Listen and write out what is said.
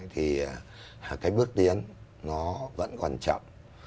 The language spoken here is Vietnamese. thì cái bước tiến nó vẫn còn chậm